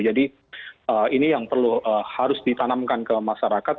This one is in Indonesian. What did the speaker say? jadi ini yang perlu harus ditanamkan ke masyarakat